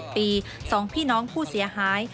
อายุ๕๗ปีสองพี่น้องผู้เสียหาย